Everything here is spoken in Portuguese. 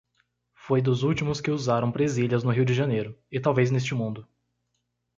Foi dos últimos que usaram presilhas no Rio de Janeiro, e talvez neste mundo.